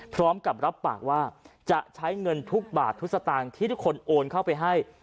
พร้อมกับรับปากว่าจะใช้เงินทุกบาททุกสตางค์ที่ทุกคนโอนเข้าไปให้